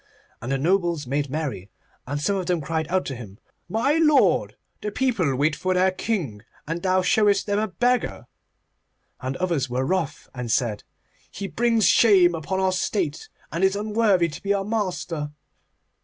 And the nobles made merry, and some of them cried out to him, 'My lord, the people wait for their king, and thou showest them a beggar,' and others were wroth and said, 'He brings shame upon our state, and is unworthy to be our master.